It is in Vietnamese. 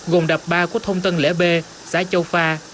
gồm đập ba của thông tân lễ b xã châu pha